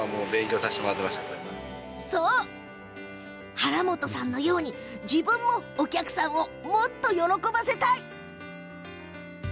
原本さんのように自分もお客さんをもっと喜ばせたい！